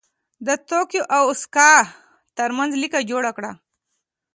د توکیو او اوساکا ترمنځ لیکه جوړه کړه.